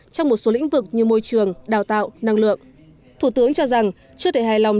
trong một số lĩnh vực như môi trường đào tạo năng lượng thủ tướng cho rằng chưa thể hài lòng